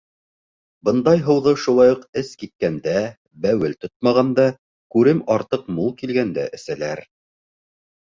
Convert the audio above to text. Бындай һыуҙы шулай уҡ эс киткәндә, бәүел тотмағанда, күрем артыҡ мул килгәндә эсәләр.